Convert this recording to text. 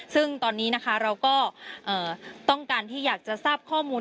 ซึ่งตอนนี้นะคะเราก็ต้องการที่อยากจะทราบข้อมูล